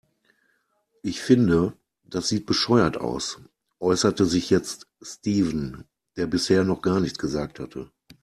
Ich finde, das sieht bescheuert aus, äußerte sich jetzt Steven, der bisher noch gar nichts gesagt hatte.